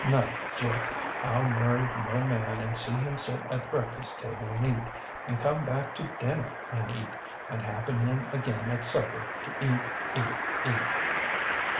No, Jeff; IŌĆÖll marry no man and see him sit at the breakfast table and eat, and come back to dinner and eat, and happen in again at supper to eat, eat, eat.